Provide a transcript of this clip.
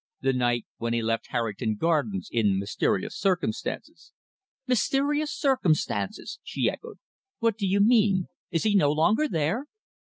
"The night when he left Harrington Gardens in mysterious circumstances." "Mysterious circumstances!" she echoed. "What do you mean? Is he no longer there?"